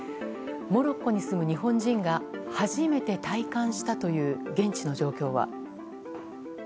モロッコに住む日本人が初めて体感したという現地の状況は。